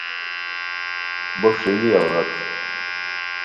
بو ݰیلی عورت